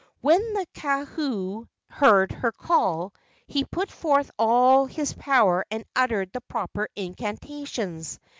When the kahu heard her call, he put forth all his power and uttered the proper incantations.